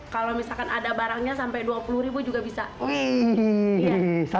kalau misalkan ada barangnya sampai dua puluh ribu juga bisa